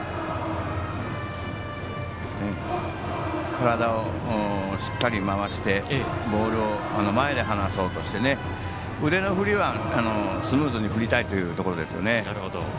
体をしっかり回してボールを前で離そうとして腕の振りはスムーズに振りたいというところですね。